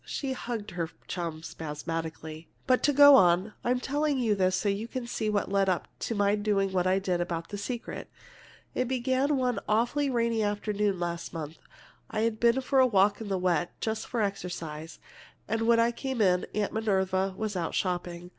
She hugged her chum spasmodically. "But to go on. I'm telling you all this so you can see what led up to my doing what I did about the secret. It began one awfully rainy afternoon last month. I'd been for a walk in the wet, just for exercise, and when I came in, Aunt Minerva was out shopping.